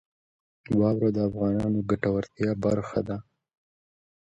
واوره د افغانانو د ګټورتیا برخه ده.